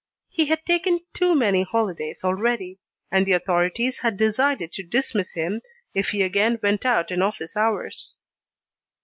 He had taken too many holidays already, and the authorities had decided to dismiss him if he again went out in office hours.